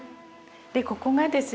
ここがですね